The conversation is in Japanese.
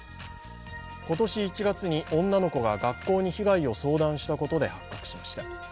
今年１月に女の子が学校に被害を相談したことで発覚しました。